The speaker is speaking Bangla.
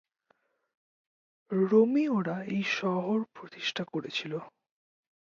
রোমীয়রা এই শহর প্রতিষ্ঠা করেছিল।